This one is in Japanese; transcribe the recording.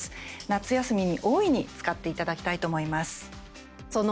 夏休みに大いに使っていただきたいと思います。